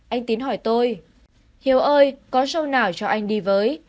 anh tín hỏi tôi hiếu ơi có show nào cho anh đi với